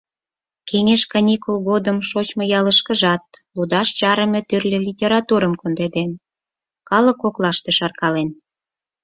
Кеҥеж каникул годым шочмо ялышкыжат лудаш чарыме тӱрлӧ литературым кондеден, калык коклаште шаркален.